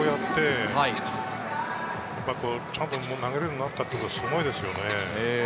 ボルトを入れてやって、ちゃんと投げれるようになったってことは、すごいですよね。